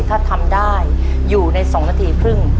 ถ้าทำได้อยู่ใน๒นาทีครึ่ง